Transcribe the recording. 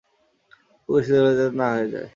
খুব বেশি দেরি যাতে না হয়ে যায়।